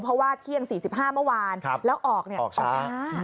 เพราะว่าเที่ยง๔๕เมื่อวานแล้วออกออกช้า